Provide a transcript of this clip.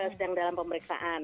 sedang dalam pemeriksaan